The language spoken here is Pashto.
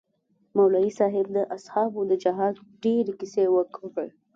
مولوي صاحب د اصحابو د جهاد ډېرې كيسې وكړې.